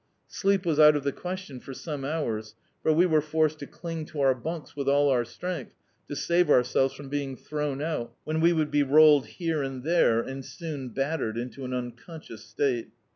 Sleep was out of the question for some hours, for we were forced to cling to our bunks with all our strength, to save ourselves from being thrown out, when we would be rolled here and there, and soon battered into an unconscious state.